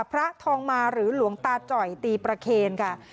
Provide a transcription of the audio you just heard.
พระทองมาหรือหลวงตาจ่อยตีประเคนค่ะ